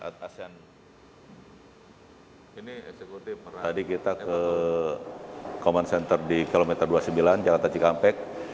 tadi kita ke command center di km dua puluh sembilan jalan taji kampek